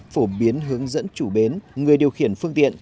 phổ biến hướng dẫn chủ bến người điều khiển phương tiện